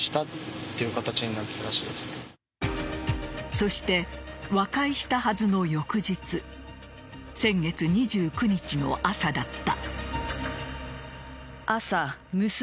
そして、和解したはずの翌日先月２９日の朝だった。